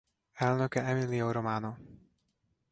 Elnöke Emilio Romano.